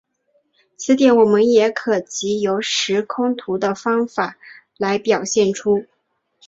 此点我们也可藉由时空图的方法来表现出。